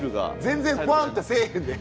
全然ホワンとせえへんで。